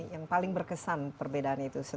yang paling berkesan perbedaan itu